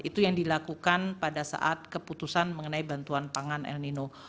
itu yang dilakukan pada saat keputusan mengenai bantuan pangan el nino